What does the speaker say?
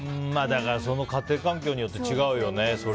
その家庭環境によって違うよね。